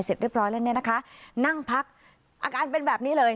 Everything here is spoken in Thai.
เสร็จเรียบร้อยแล้วเนี่ยนะคะนั่งพักอาการเป็นแบบนี้เลย